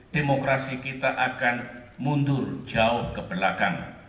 demokrasi kita akan mundur jauh ke belakang